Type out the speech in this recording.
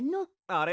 あれ？